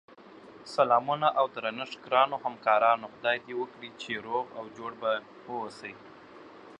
سلامونه اودرنښت ګراونوهمکارانو خدای دی وکړی چی روغ اوجوړبه اووسی